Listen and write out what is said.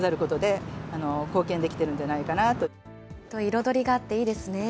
彩りがあっていいですね。